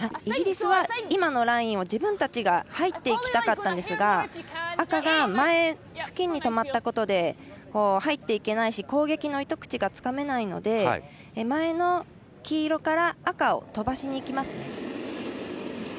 イギリスは、今のラインを自分たちが入っていきたかったんですが赤が前付近に止まったことで入っていけないし攻撃の糸口がつかめないので前の黄色から赤を飛ばしにきますね。